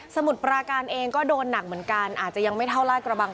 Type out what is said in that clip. มุดปราการเองก็โดนหนักเหมือนกันอาจจะยังไม่เท่าลากระบัง